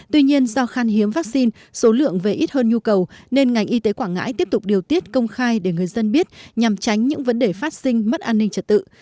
tuy nhiên do khan hiếm vaccine số lượng về ít hơn nhu cầu nên ngành y tế quảng ngãi tiếp tục điều tiết công khai để người dân biết nhằm tránh những vấn đề phát sinh mất an ninh trật tự